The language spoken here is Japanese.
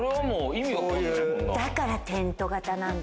だからテント型なんだ。